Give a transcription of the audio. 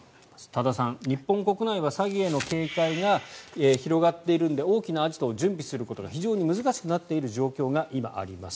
多田さん、日本国内は詐欺への警戒が広がっているので大きなアジトを準備することが難しくなっている状況が今、あります。